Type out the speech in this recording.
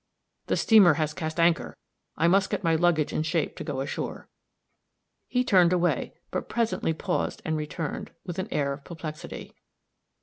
The steamer has cast anchor; I must get my luggage in shape to go ashore." He turned away; but presently paused and returned, with an air of perplexity.